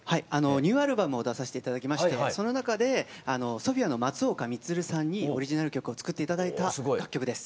ニューアルバムを出させて頂きましてその中でＳＯＰＨＩＡの松岡充さんにオリジナル曲を作って頂いた楽曲です。